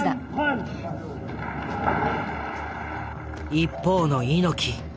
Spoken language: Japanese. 一方の猪木。